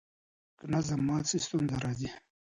که نظم مات سي ستونزه راځي.